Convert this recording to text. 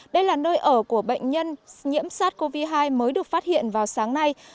đây là nơi ở của bệnh nhân nhiễm sát covid một mươi chín mới được phát hiện vào sáng nay